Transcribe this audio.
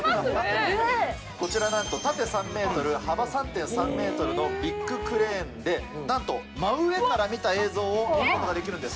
こちらなんと、縦３メートル、幅３．３メートルのビッグクレーンで、なんと真上から見た映像を見ることができるんです。